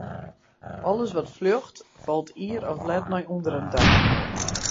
Alles wat fljocht, falt ier of let nei ûnderen ta.